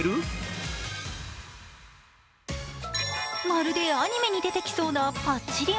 まるでアニメに出てきそうなパッチリ